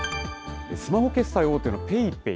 スマホ決済大手のＰａｙＰａｙ。